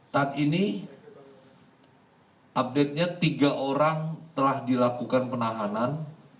saat ini update nya tiga orang telah dilakukan penahanan